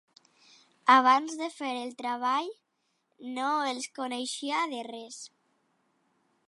Abans de fer el treball, no els coneixia de res.